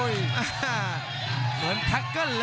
คมทุกลูกจริงครับโอ้โห